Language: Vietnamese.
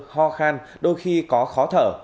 ho khan đôi khi có khó thở